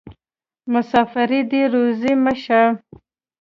مسافري دې روزي مه شه.